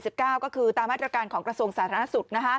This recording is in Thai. โรคโควิด๑๙ก็คือตามมาตรการของกระทรวงสาธารณสุทธิ์